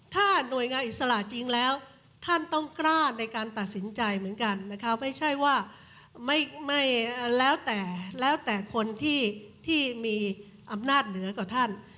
ถ้าหน่วยงานอิสระจริงแล้วท่านต้องกล้าในการตัดสินใจเหมือนกันนะคะไม่ใช่ว่าไม่แล้วแต่แล้วแต่คนที่มีอำนาจเหนือกว่าท่าน